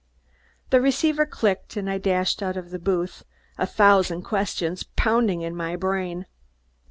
The receiver clicked and I dashed out of the booth, a thousand questions pounding in my brain.